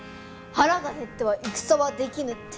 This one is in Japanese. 「腹が減っては戦はできぬ」って。